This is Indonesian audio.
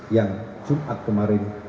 yang jumat kemarin